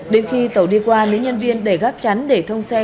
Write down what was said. đến khi tàu đi qua nữ nhân viên đẩy gác chán để thông xe